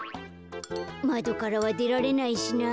まどからはでられないしな。